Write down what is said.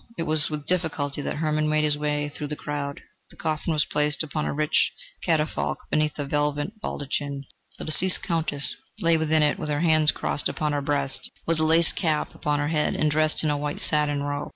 It was with difficulty that Hermann made his way through the crowd of people. The coffin was placed upon a rich catafalque beneath a velvet baldachin. The deceased Countess lay within it, with her hands crossed upon her breast, with a lace cap upon her head and dressed in a white satin robe.